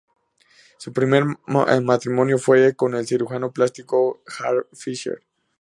Su primer matrimonio fue con el cirujano plástico Garth Fisher.